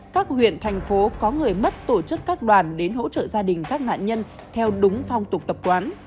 các huyện thành phố có người mất tổ chức các đoàn đến hỗ trợ gia đình các nạn nhân theo đúng phong tục tập quán